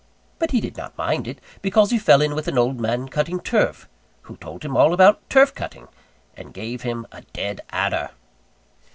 But he did not mind it, because he fell in with an old man cutting turf, who told him all about turf cutting, and gave him a dead adder.